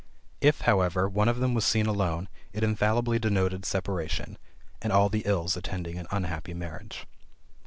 If, however, one of them was seen alone it infallibly denoted separation, and all the ills attending an unhappy marriage.